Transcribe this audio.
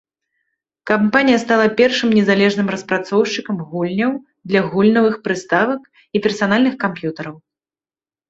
Кампанія стала першым незалежным распрацоўшчыкам гульняў для гульнявых прыставак і персанальных камп'ютараў.